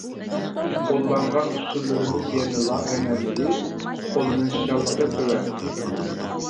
قوللانغان ئۇسۇللىرىمىز يەنىلا ئەنئەنىۋى، قوللىنىشچانلىقى تۆۋەن.